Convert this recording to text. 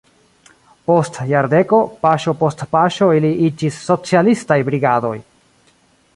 Post jardeko paŝo post paŝo ili iĝis "socialistaj brigadoj".